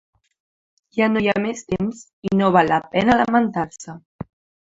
Ja no hi ha més temps i no val la pena lamentar-se.